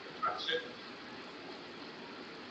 په لاس لیکلنه په ټاکلي وخت کي د کار بشپړول غواړي.